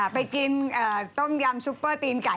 ไปกินต้มยำซุปเปอร์ตีนไก่